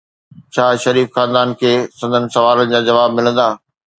ڇا شريف خاندان کي سندن سوالن جا جواب ملندا؟